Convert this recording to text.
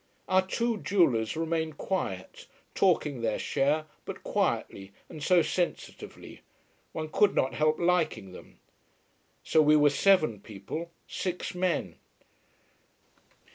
Our two jewellers remained quiet, talking their share, but quietly and so sensitively. One could not help liking them. So we were seven people, six men.